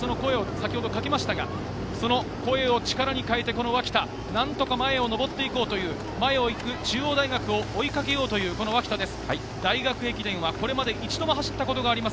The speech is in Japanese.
後ろから原監督も時折声をかけましたが、その声を力に変えて、この脇田、何とか前を上って行こうという、前をいく中央大学を追いかけようという脇田です。